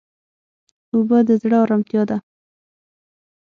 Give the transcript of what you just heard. اوبه د زړه ارامتیا ده.